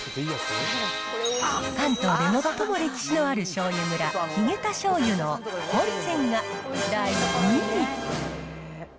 関東で最も歴史のあるしょうゆ蔵、ヒゲタしょうゆの本膳が第２位。